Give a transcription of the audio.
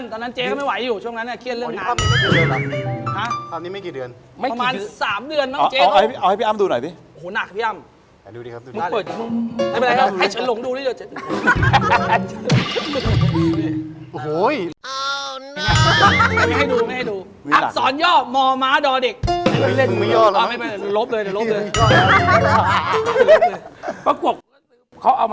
ตอนนั้นจกไม่ไหวอยู่ช่วงนั้นน่ะเครียดเรื่องของความ